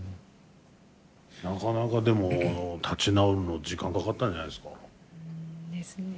なかなかでも立ち直るの時間かかったんじゃないですか？ですね。